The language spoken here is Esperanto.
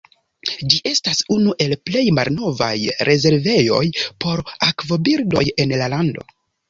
Ĝi estas unu el plej malnovaj rezervejoj por akvobirdoj en la lando.